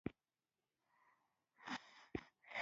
-د خبرو اترو وړتیاوې